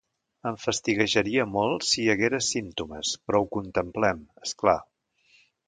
Em fastiguejaria molt si hi haguera símptomes, però ho contemplem, és clar.